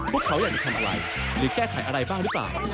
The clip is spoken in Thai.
พวกเขาอยากจะทำอะไรหรือแก้ไขอะไรบ้างหรือเปล่า